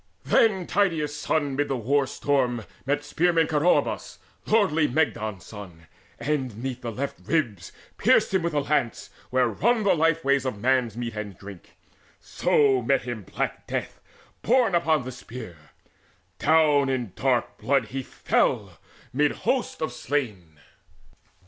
Then Tydeus' son amid the war storm met Spearman Coroebus, lordly Mygdon's son, And 'neath the left ribs pierced him with the lance Where run the life ways of man's meat and drink; So met him black death borne upon the spear: Down in dark blood he fell mid hosts of slain.